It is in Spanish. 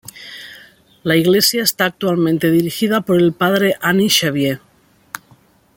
La iglesia está actualmente dirigida por el padre Ani Xavier.